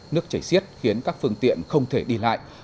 nước chảy xiết khiến các phương tiện không thể đi lại